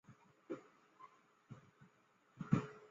之后升任一级上将。